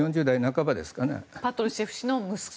パトルシェフ氏の息子。